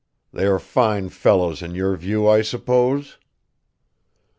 They are fine fellows in your view, I suppose?"